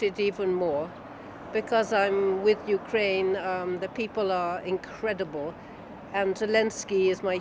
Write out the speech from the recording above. saya mendukungnya selama bertahun tahun tapi sekarang itu penting untuk mendukungnya lebih banyak